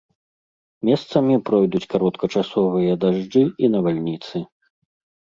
Месцамі пройдуць кароткачасовыя дажджы і навальніцы.